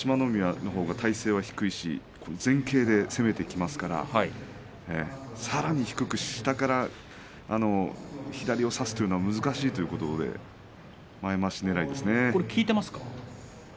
海のほうが体勢は低い位置前傾で攻めていきますからさらに低く下から左を差すというのは難しいということでこれが効いていますか。